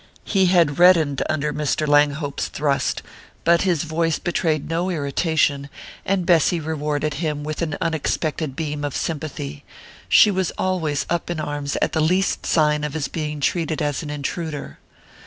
He had reddened under Mr. Langhope's thrust, but his voice betrayed no irritation, and Bessy rewarded him with an unexpected beam of sympathy: she was always up in arms at the least sign of his being treated as an intruder.